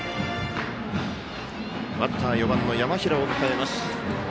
バッター、４番の山平を迎えます。